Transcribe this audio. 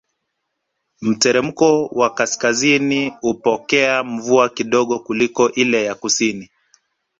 Mteremko wa kaskazini hupokea mvua kidogo kuliko ile ya kusini